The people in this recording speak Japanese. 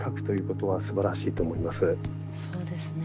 そうですね。